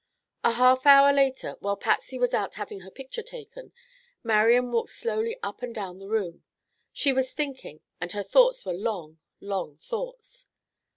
A half hour later, while Patsy was out having her picture taken, Marian walked slowly up and down the room. She was thinking, and her thoughts were long, long thoughts.